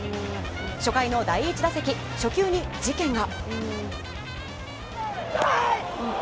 初回の第１打席、初球に事件が。